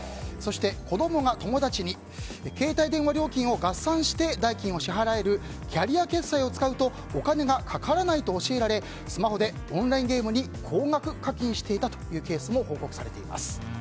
そして、子供が友達に携帯電話料金を合算して代金を支払えるキャリア決済を使うとお金がかからないと教えられスマホでオンラインゲームに高額課金していたケースも報告されています。